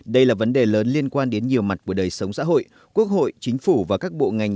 đây là vấn đề lớn liên quan đến nhiều mặt của đời sống xã hội quốc hội chính phủ và các bộ ngành